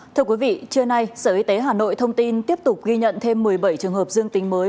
thưa quý vị trưa nay sở y tế hà nội thông tin tiếp tục ghi nhận thêm một mươi bảy trường hợp dương tính mới